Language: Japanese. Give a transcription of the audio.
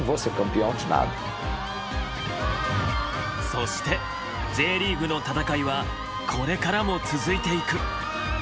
そしてＪリーグの戦いはこれからも続いていく。